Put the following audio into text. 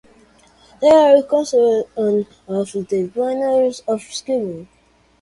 They are considered one of the pioneers of screamo.